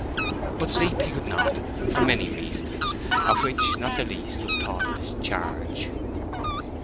But sleep he could not, for many reasons, of which not the least was thought of his charge.